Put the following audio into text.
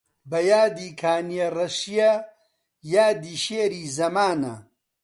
بە یادی کانیەڕەشیە یادی شێری زەمانە